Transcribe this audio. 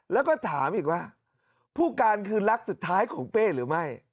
แล้วก็ถามอีกว่าผู้การคือรักสุดท้ายของเป้หรือไม่